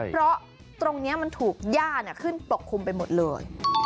เพราะตรงนี้มันถูกย่าขึ้นปกคลุมไปหมดเลย